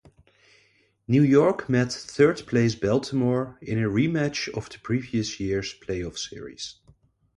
New York met third-place Baltimore in a rematch of the previous year's playoff series.